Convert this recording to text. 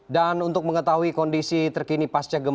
dan untuk mengetahui kondisi terkini pasca